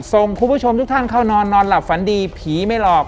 ส่งคุณผู้ชมทุกท่านเข้านอนนอนหลับฝันดีผีไม่หลอก